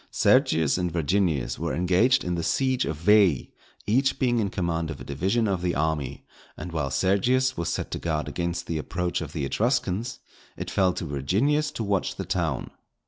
Sergius and Virginius were engaged in the siege of Veii, each being in command of a division of the army, and while Sergius was set to guard against the approach of the Etruscans, it fell to Virginius to watch the town.